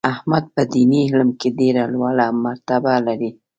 احمد په دیني علم کې ډېره لوړه مرتبه لري.